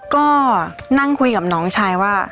ก็นั่งคุยกับน้องชายว่า